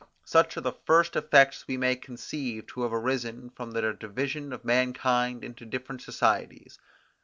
Such are the first effects we may conceive to have arisen from the division of mankind into different societies.